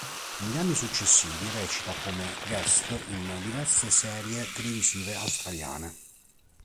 Negli anni successivi recita come guest in diverse serie televisive australiane.